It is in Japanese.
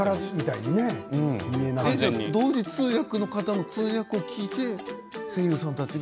同時通訳の方も聞いて声優さんたちが。